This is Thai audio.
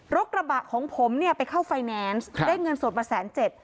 รกระบะของผมไปเข้าไฟแนนซ์ได้เงินส่วนประแสนเจ็ด